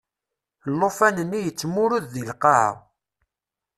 Llufan-nni yettmurud deg lqaɛa.